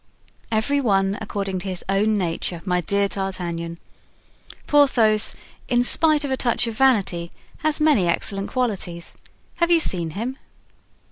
"Every one according to his nature, my dear D'Artagnan. Porthos, in spite of a touch of vanity, has many excellent qualities. Have you seen him?"